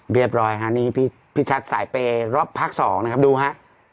เรียบร้อยฮะนี่พี่ชัดสายเปย์รอบภาค๒นะครับดูฮะ